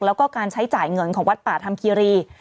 แล้วก็การใช้จ่ายเงินของวัดป่าธรรมคีรี